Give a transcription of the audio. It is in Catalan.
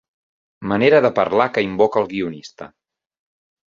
Manera de parlar que invoca el guionista.